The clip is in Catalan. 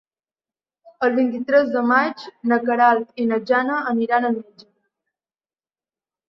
El vint-i-tres de maig na Queralt i na Jana aniran al metge.